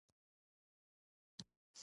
موږ اضافي کار په لازم کار باندې وېشو